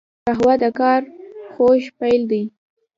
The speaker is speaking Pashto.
قهوه د کار خوږ پیل دی